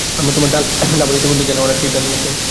আর তোমার ডাবল ইতোমধ্যে জানে ওরা কী বানিয়েছে।